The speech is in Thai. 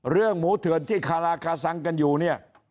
หมูเถื่อนที่คาราคาซังกันอยู่เนี่ย